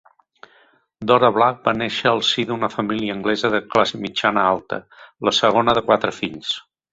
Dora Black va néixer al si d'una família anglesa de classe mitjana-alta, la segona de quatre fills.